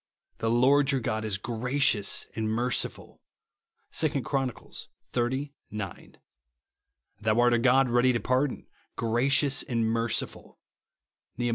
The Lord your God is gracious and merciful,'' (2 Chron. xxx. 9). " Thou art a God ready to pardon, gracious and merciful," (iSTeh.